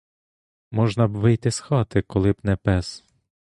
Можна б вийти з хати, коли б не пес.